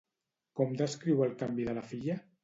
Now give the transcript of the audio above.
Com descriu el canvi de la filla?